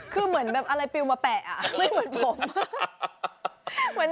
คือเหมือนแบบอะไรปิวมาแปะไม่เหมือนผม